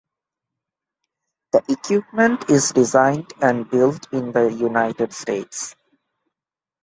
The equipment is designed and built in the United States.